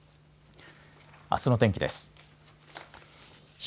あすの天気です。